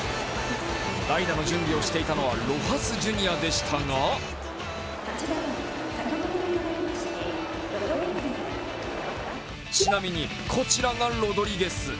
代打の準備をしていたのはロハス・ジュニアでしたがちなみにこちらがロドリゲス。